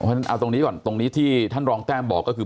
เอาตรงนี้ก่อนตรงนี้ที่ท่านรองแก้มบอกก็คือ